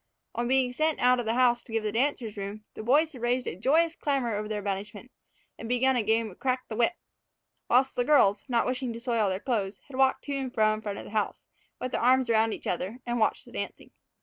On being sent out of the house to give the dancers room, the boys had raised a joyous clamor over their banishment, and begun a game of crack the whip; while the girls, not wishing to soil their clothes, had walked to and fro in front of the house, with their arms around each other, and watched the dancing.